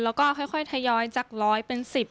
แล้วก็ค่อยทยอยจากร้อยเป็น๑๐